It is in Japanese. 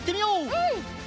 うん。